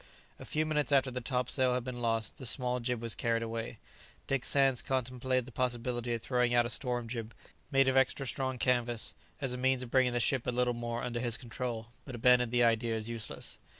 A few minutes after the topsail had been lost, the small jib was carried away. Dick Sands contemplated the possibility of throwing out a storm jib, made of extra strong canvas, as a means of bringing the ship a little more under his control, but abandoned the idea as useless.